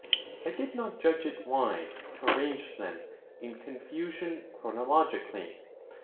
I did not judge it wise to arrange them in confusion chronologically.